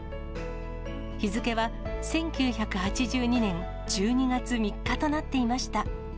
日付は１９８２年１２月３日となっていました。